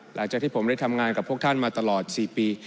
หลังจากที่ผมได้ทำงานกับพวกท่านมาตลอด๔ปี